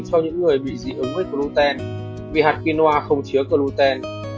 cho những người bị dị ứng với gluten vì hạt quinoa không chứa gluten